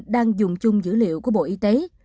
đang dùng chung dữ liệu của bộ y tế